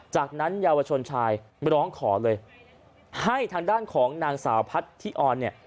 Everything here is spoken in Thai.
จากนั้นเยาวชนชายร้องขอเลยให้ทางด้านของนางสาวพัทธิออนเนี่ย